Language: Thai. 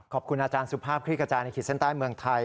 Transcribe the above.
ขอบคุณอาจารย์สุภาพคลิกกระจายในขีดเส้นใต้เมืองไทย